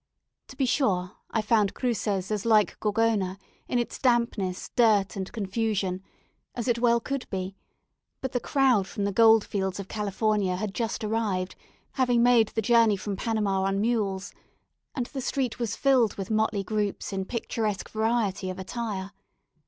To be sure, I found Cruces as like Gorgona, in its dampness, dirt, and confusion, as it well could be; but the crowd from the gold fields of California had just arrived, having made the journey from Panama on mules, and the street was filled with motley groups in picturesque variety of attire.